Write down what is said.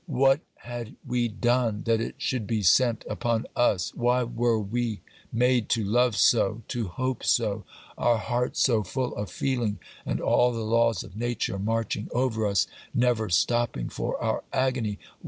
What had we done that it should be sent upon us? Why were we made to love so, to hope so,—our hearts so full of feeling, and all the laws of Nature marching over us,—never stopping for our agony?